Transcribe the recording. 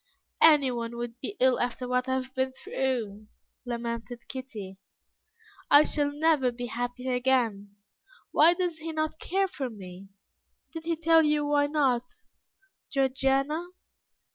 "Anyone would be ill after what I have been through," lamented Kitty; "I shall never be happy again. Why does he not care for me? Did he tell you why not, Georgiana?